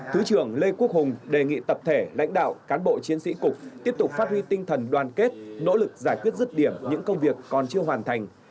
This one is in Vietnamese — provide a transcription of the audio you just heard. thứ trưởng lê quốc hùng đề nghị tập thể lãnh đạo cán bộ chiến sĩ cục tiếp tục phát huy tinh thần đoàn kết nỗ lực giải quyết rứt điểm những công việc còn chưa hoàn thành